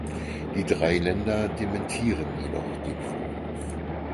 Die drei Länder dementierten jedoch den Vorwurf.